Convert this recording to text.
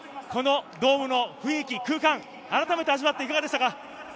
ドームの雰囲気、空間を味わっていかがでしたか？